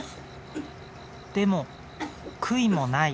でも悔いもない。